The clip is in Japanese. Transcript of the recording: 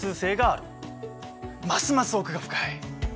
ますます奥が深い。